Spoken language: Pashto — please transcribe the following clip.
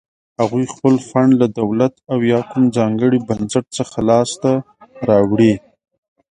هغوی خپل فنډ له دولت او یا کوم ځانګړي بنسټ څخه لاس ته راوړي.